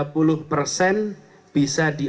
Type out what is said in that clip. tiga puluh persen bisa di